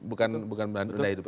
bukan benda hidup